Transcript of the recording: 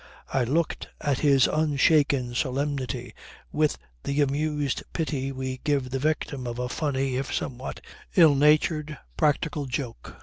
I looked at his unshaken solemnity with the amused pity we give the victim of a funny if somewhat ill natured practical joke.